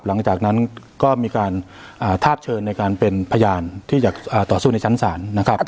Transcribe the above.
หลังจากนั้นก็มีการทาบเชิญในการเป็นพยานที่จะต่อสู้ในชั้นศาลนะครับ